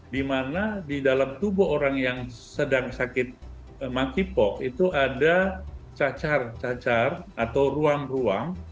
dimana di dalam tubuh orang yang sedang sakit monkeypox itu ada cacar cacar atau ruang ruang